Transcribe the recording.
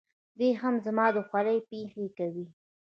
دی هم زما دخولې پېښې کوي.